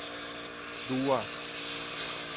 鑢仔